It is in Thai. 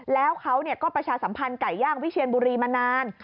แล้วเขาก็ประชาสัมพันธ์ไก่ย่างวิเชียนบุรีมานาน